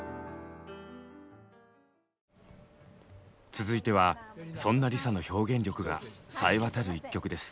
続いてはそんなＬｉＳＡの表現力がさえわたる一曲です。